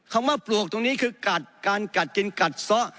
คำว่าปลวกตรงนี้คือกัดการกัดกินกัดซะ